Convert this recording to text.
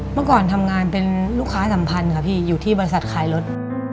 เมื่อก่อนทำงานเป็นลูกค้าสัมพันธ์ค่ะพี่อยู่ที่บริษัทขายรถ